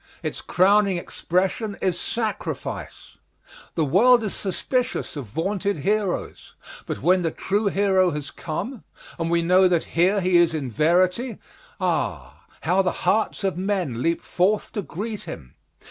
Its crowning expression is sacrifice. The world is suspicious of vaunted heroes. But when the true hero has come, and we know that here he is in verity, ah! how the hearts of men leap forth to greet him!